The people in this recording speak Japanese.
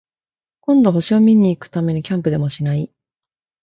今度、星を見に行くためにキャンプでもしない？